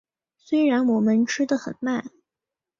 虽然我们吃很慢